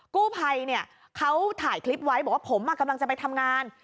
กู้ภัยเนี่ยเขาถ่ายคลิปไว้บอกว่าผมกำลังจะไปทำงาน